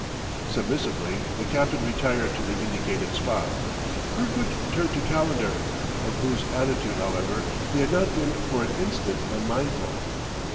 Submissively the captain retired to the indicated spot. Kirkwood turned to Calendar; of whose attitude, however, he had not been for an instant unmindful.